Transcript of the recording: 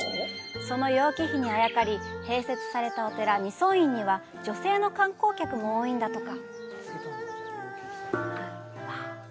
その楊貴妃にあやかり、併設されたお寺・二尊院には女性の観光客も多いんだとか。